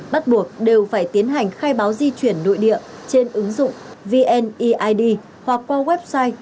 bắt buộc đều phải tiến hành khai báo di chuyển nội địa trên ứng dụng vneid hoặc qua website